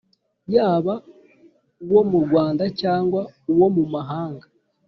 yaba uwo mu rwanda cyangwa uwo mu mahanga